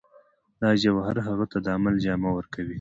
دا جوهر هغه ته د عمل جامه ورکوي